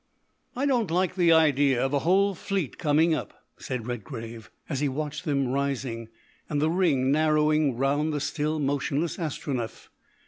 "I don't like the idea of a whole fleet coming up," said Redgrave, as he watched them rising, and the ring narrowing round the still motionless Astronef.